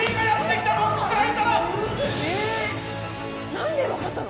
何で分かったの？